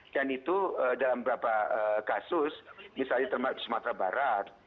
dan itu dalam beberapa kasus misalnya di sumatera barat